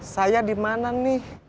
saya dimana nih